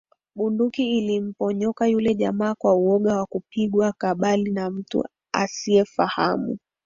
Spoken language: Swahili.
Bunduki ilimponyoka yule jamaa kwa uoga wa kupigwa kabali na mtu asiyemfahamu